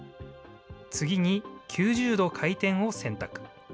次に９０度回転を選択。